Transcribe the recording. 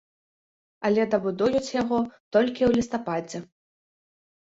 Але дабудуюць яго толькі ў лістападзе.